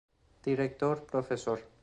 Director: Prof.